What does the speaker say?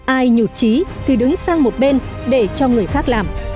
ai nhụt trí thì đứng sang một bên để cho người khác làm